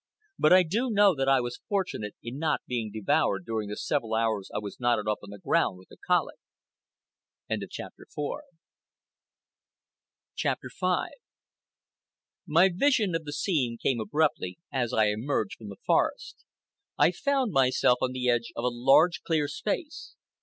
But I do know that I was fortunate in not being devoured during the several hours I was knotted up on the ground with the colic. CHAPTER V My vision of the scene came abruptly, as I emerged from the forest. I found myself on the edge of a large clear space.